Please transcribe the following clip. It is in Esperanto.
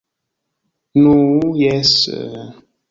- Nu, jes...